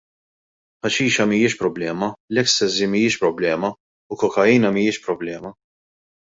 Ħaxixa mhijiex problema, l-ecstasy mhijiex problema u kokaina mhijiex problema.